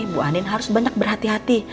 bu andin harus banyak berhati hati